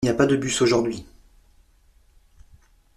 Il n’y a pas de bus aujourd’hui.